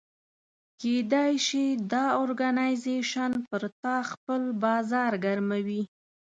کېدای شي دا اورګنایزیش پر تا خپل بازار ګرموي.